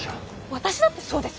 私だってそうです！